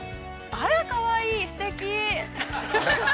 ◆あら、かわいい、すてき、フフフ。